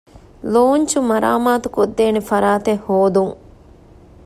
ލޯންޗް މަރާމާތު ކޮށްދޭނެ ފަރާތެއް ހޯދުން